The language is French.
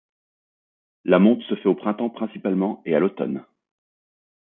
La monte se fait au printemps principalement et à l'automne.